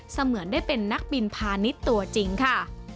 เสมือนได้เป็นนักบินพาณิชย์ตัวจริงค่ะ